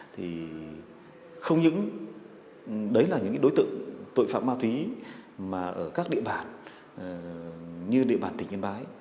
thì không những đấy là những đối tượng tội phạm ma túy mà ở các địa bàn như địa bàn tỉnh yên bái